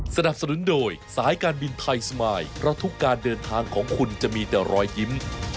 สนับสนุนโดยสายการบินไทยสมายเพราะทุกการเดินทางของคุณจะมีแต่รอยยิ้ม